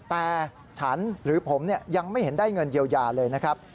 แต่ฉันหรือผมยังไม่เห็นได้เงินเยียวยาเลยนะครับ